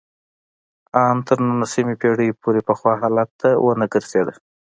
ان تر نولسمې پېړۍ پورې پخوا حالت ته ونه ګرځېده